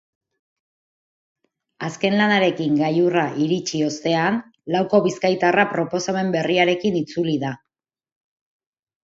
Azken lanarekin gailurrera iritsi ostean, lauko bizkaitarra proposamen berriarekin itzuli da.